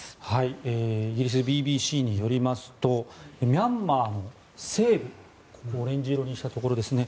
イギリスＢＢＣによりますとミャンマーの西部オレンジ色にしたところですね